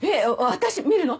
私見るの？